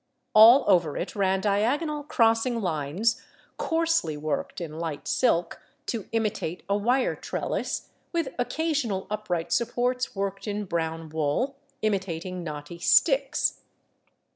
All over it ran diagonal crossing lines coarsely worked in light silk, to imitate a wire trellis, with occasional upright supports worked in brown wool, imitating knotty sticks.